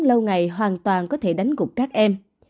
lâu ngày hoàn toàn có thể đánh gục các em